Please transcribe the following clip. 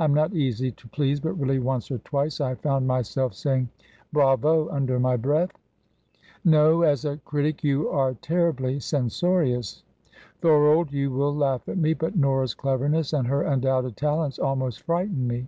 I am not easy to please, but really once or twice I found myself saying 'Bravo!' under my breath." "No; as a critic you are terribly censorious. Thorold you will laugh at me but Nora's cleverness and her undoubted talents almost frighten me.